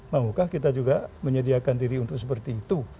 maukah kita juga menyediakan diri untuk seperti itu